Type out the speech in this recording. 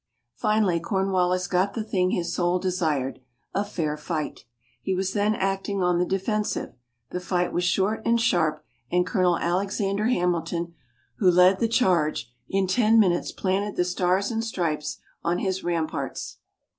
Finally, Cornwallis got the thing his soul desired a fair fight. He was then acting on the defensive. The fight was short and sharp; and Colonel Alexander Hamilton, who led the charge, in ten minutes planted the Stars and Stripes on his ramparts.